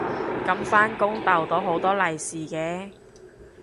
噉返工逗到好多利是嘅